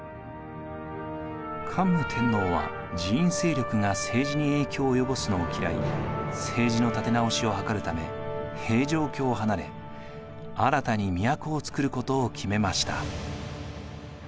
桓武天皇は寺院勢力が政治に影響を及ぼすのを嫌い政治の立て直しを図るため平城京を離れ新たに都をつくることを決めました。